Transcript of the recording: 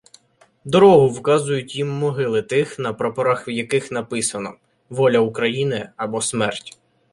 Дорогу вказують їм могили тих, на прапорах яких написано: "Воля України — або смерть".